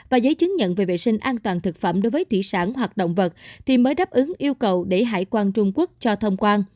và giấy chứng nhận về vệ sinh an toàn thực phẩm đối với thủy sản hoặc động vật thì mới đáp ứng yêu cầu để hải quan trung quốc cho thông quan